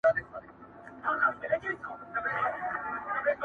غټ بدن داسي قوي لکه زمری ؤ،